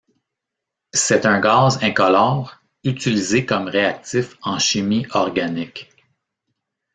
C'est un gaz incolore, utilisé comme réactif en chimie organique.